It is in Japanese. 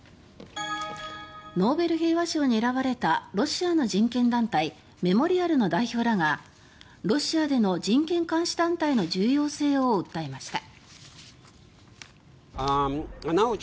ノーベル平和賞に選ばれたロシアの人権団体メモリアルの代表らがロシアでの人権監視団体の重要性を訴えました。